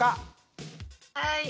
はい！